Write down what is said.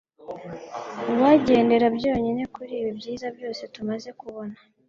Uwagendera byonyine kuri ibi byiza byose tumaze kubona